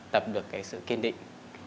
tập được cái sự kiên định